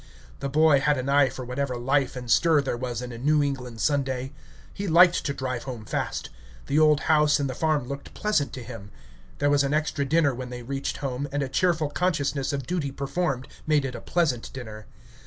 The boy had an eye for whatever life and stir there was in a New England Sunday. He liked to drive home fast. The old house and the farm looked pleasant to him. There was an extra dinner when they reached home, and a cheerful consciousness of duty performed made it a pleasant dinner.